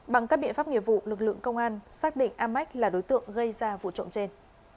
bằng các biện pháp nghiệp vụ lực lượng công an xác định amac là đối tượng gây ra vụ trộm trên